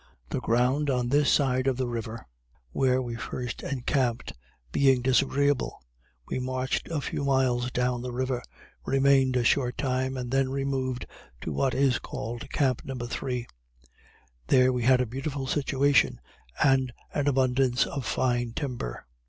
The ground on this side of the river, where we first encamped, being disagreeable, we marched a few miles down the river, remained a short time, and then removed to what is called camp No. 3. There we had a beautiful situation, and an abundance of fine timber.